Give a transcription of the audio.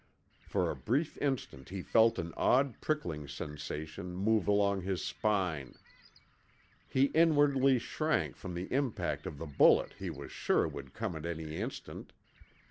For a brief instant he felt an odd prickling sensation move along his spine. He inwardly shrank from the impact of the bullet he was sure would come at any instant.